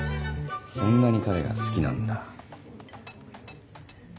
そんなに彼が好きなんだ。